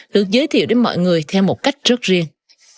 được giới thiệu đến mọi người theo một cách rất riêng